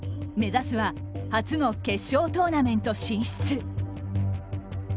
目指すは初の決勝トーナメント進出。